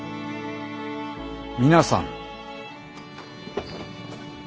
皆さん。